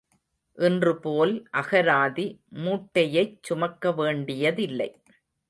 இன்றுபோல் அகராதி மூட்டையைச் சுமக்கவேண்டியதில்லை.